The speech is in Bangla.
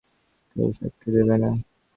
কেউ সাক্ষি দেবে না?